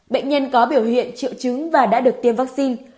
bệnh nhân có biểu hiện triệu chứng và đã được tiêm vắc xin